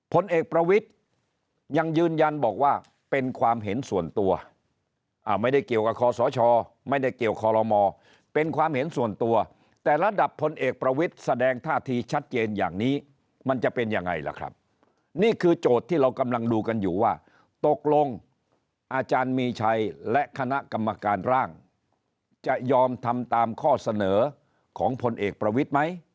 ผลเอกประวิทย์ยังยืนยันบอกว่าเป็นความเห็นส่วนตัวไม่ได้เกี่ยวกับคอสชไม่ได้เกี่ยวคอลโลมอเป็นความเห็นส่วนตัวแต่ระดับพลเอกประวิทย์แสดงท่าทีชัดเจนอย่างนี้มันจะเป็นยังไงล่ะครับนี่คือโจทย์ที่เรากำลังดูกันอยู่ว่าตกลงอาจารย์มีชัยและคณะกรรมการร่างจะยอมทำตามข้อเสนอของพลเอกประวิทย์ไหม